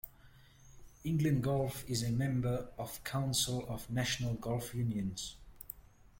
England Golf is a member of Council of National Golf Unions.